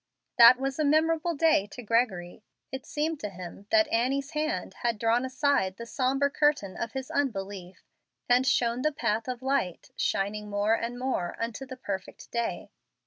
That was a memorable day to Gregory. It seemed to him that Annie's hand had drawn aside the sombre curtain of his unbelief, and shown the path of light shining more and more unto the perfect day.